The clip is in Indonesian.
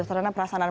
sarana perasaan an